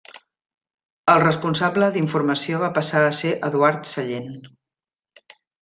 El responsable d'informació va passar a ser Eduard Sallent.